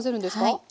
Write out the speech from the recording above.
はい。